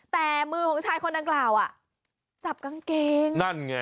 แต่มือของชายคนนั้นกล่าวจับกางเกง